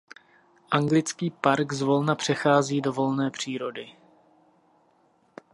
Anglický park zvolna přechází do volné přírody.